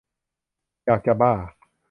อยากจะบ้า